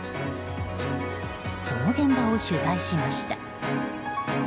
その現場を取材しました。